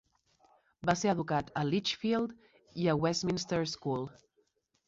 Va ser educat a Lichfield i a Westminster School.